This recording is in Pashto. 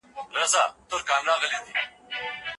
دولتي پوهنتون په ناڅاپي ډول نه انتقالیږي.